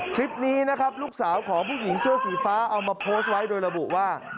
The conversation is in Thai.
คลิปนี้นะครับลูกสาวของผู้หญิงเสื้อสีฟ้าเอามาโพสต์ไว้โดยระบุว่า